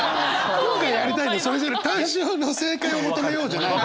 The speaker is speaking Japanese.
今回やりたいのそれじゃなくタン塩の正解を求めようじゃないのよ。